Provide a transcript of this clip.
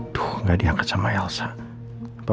tuh gak diangkat sama elsa